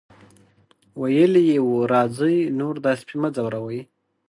ویلي یې وو راځئ نور دا سپی مه ځوروئ.